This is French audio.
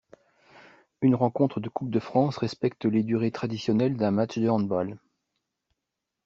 Une rencontre de Coupe de France respecte les durées traditionnelles d’un match de handball.